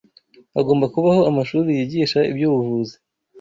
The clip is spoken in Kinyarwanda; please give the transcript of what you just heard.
Hagomba kubaho amashuri yigisha iby’ubuvuzi